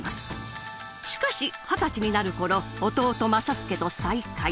しかし二十歳になる頃弟正祐と再会。